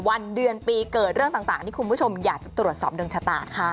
วันเดือนปีเกิดเรื่องต่างที่คุณผู้ชมอยากจะตรวจสอบดวงชะตาค่ะ